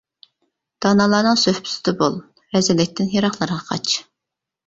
دانالارنىڭ سۆھبىتىدە بول، رەزىللىكتىن يىراقلارغا قاچ.